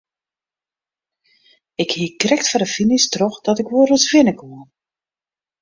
Ik hie krekt foar de finish troch dat ik wol ris winne koe.